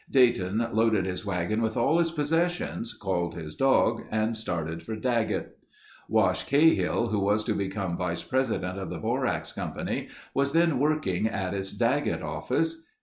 Dayton loaded his wagon with all his possessions, called his dog and started for Daggett. Wash Cahill, who was to become vice president of the borax company, was then working at its Daggett office.